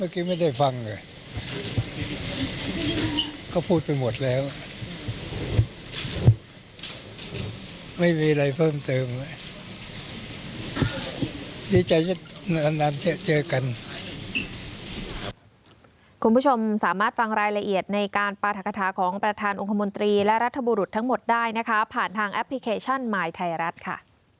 คุณผู้ชมสามารถฟังรายละเอียดในการปราธกฐาของประธานองค์คมนตรีและรัฐบุรุษทั้งหมดได้นะคะผ่านทางแอปพลิเคชันหมายไทยรัฐค่ะ